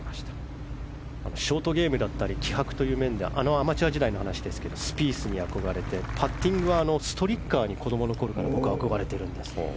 ショートゲームだったり気迫という面ではアマチュア時代の話ですがスピースに憧れてパッティングはストリッカーに子供のころから憧れているんですと。